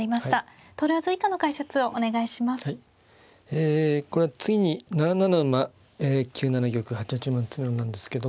えこれは次に７七馬９七玉８八馬の詰めろなんですけども。